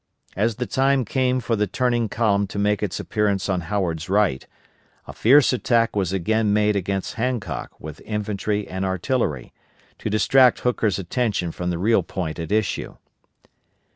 As the time came for the turning column to make its appearance on Howard's right, a fierce attack was again made against Hancock with infantry and artillery, to distract Hooker's attention from the real point at issue.